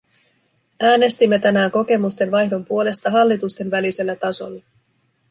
Äänestimme tänään kokemusten vaihdon puolesta hallitusten välisellä tasolla.